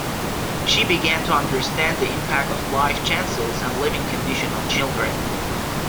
She began to understand the impact of life chances and living conditions on children.